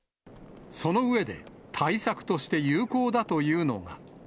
その上で、対策として有効だというのが。